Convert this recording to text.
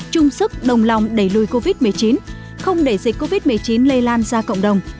chung sức đồng lòng đẩy lùi covid một mươi chín không để dịch covid một mươi chín lây lan ra cộng đồng